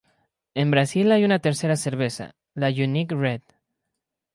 En Brasil, hay una tercera cerveza, la Unique Red.